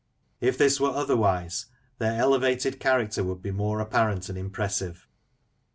If this were otherwise, their elevated character would be more apparent and impressive.